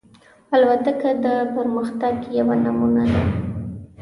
الوتکه د پرمختګ یوه نمونه ده.